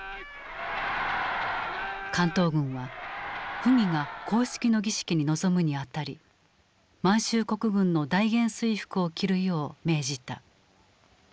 関東軍は溥儀が公式の儀式に臨むにあたり満州国軍の大元帥服を着るよう命じた。